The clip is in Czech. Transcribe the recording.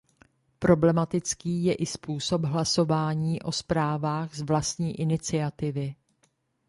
Problematický je i způsob hlasování o zprávách z vlastní iniciativy.